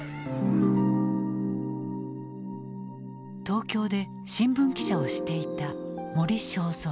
東京で新聞記者をしていた森正蔵。